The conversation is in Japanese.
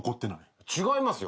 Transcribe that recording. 違いますよ。